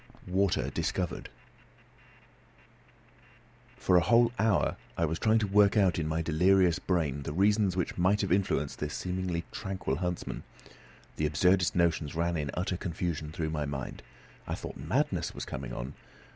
WATER DISCOVERED For a whole hour I was trying to work out in my delirious brain the reasons which might have influenced this seemingly tranquil huntsman. The absurdest notions ran in utter confusion through my mind. I thought madness was coming on!